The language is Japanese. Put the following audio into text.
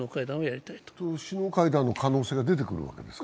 首脳会談の可能性は出てくるわけですか？